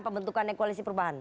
pembentukan dari koalisi perubahan